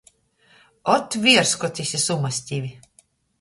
Ot, vierskotys i sumastivi!